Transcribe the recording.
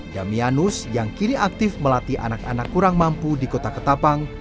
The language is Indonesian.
damianus yang kini aktif melatih anak anak kurang mampu di kota ketapang